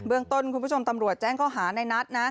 เรื่องต้นคุณผู้ชมตำรวจแจ้งข้อหาในนัดนะ